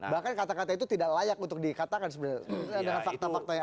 bahkan kata kata itu tidak layak untuk dikatakan sebenarnya